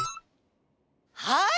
はい！